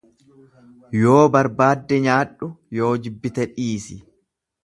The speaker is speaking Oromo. Yoo barbaadde nyaadhu, yoo jibbite dhiisi.